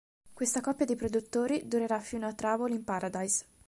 Questa coppia di produttori durerà fino a "Trouble in Paradise".